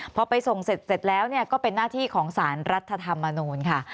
พอไปส่งเสร็จแล้วก็เป็นหน้าที่ของสารรัฐธรรมนูลค่ะ